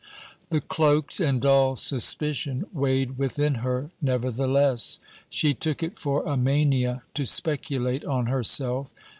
The cloaked and dull suspicion weighed within her nevertheless. She took it for a mania to speculate on herself.